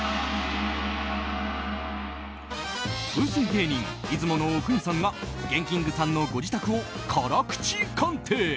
芸人・出雲阿国さんがＧＥＮＫＩＮＧさんのご自宅を辛口鑑定！